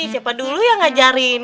siapa dulu yang ngajarin